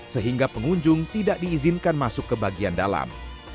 sehingga pengunjung tidak diizinkan masuk ke bagian dalam